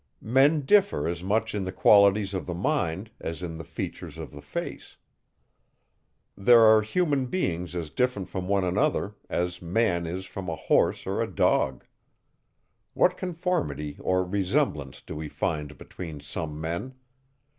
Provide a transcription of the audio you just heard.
Men differ as much in the qualities of the mind, as in the features of the face. There are human beings as different from one another, as man is from a horse or a dog. What conformity or resemblance do we find between some men?